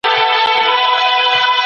موږ د بازارموندنې د پوهانو سره مشوره کوو.